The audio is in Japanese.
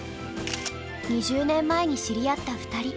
２０年前に知り合った２人。